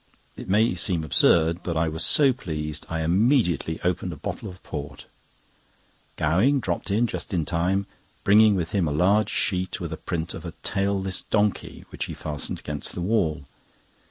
It may seem absurd, but I was so pleased, I immediately opened a bottle of port. Gowing dropped in just in time, bringing with him a large sheet, with a print of a tailless donkey, which he fastened against the wall.